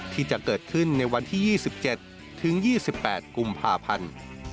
ที่จะเกิดขึ้นในวันที่๒๗ถึง๒๘กุมภาพันธ์